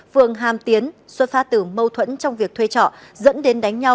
phường hàm tiến xuất phát từ mâu thuẫn trong việc thuê trọ dẫn đến đánh nhau